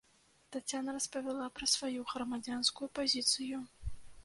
Таццяна распавяла пра сваю грамадзянскую пазіцыю.